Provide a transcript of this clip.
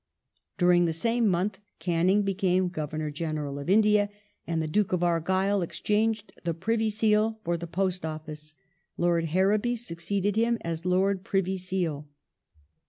During the same month Canning became Governor General of India, and the Duke of Argyll exchanged the Privy Seal for the Post Office, Lord Harrowby succeeding him as Lord Privy Seal.